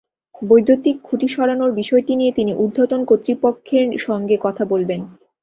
বৈদ্যুতিক খুঁটি সরানোর বিষয়টি নিয়ে তিনি ঊর্ধ্বতন কর্তৃপক্ষের সঙ্গে কথা বলবেন।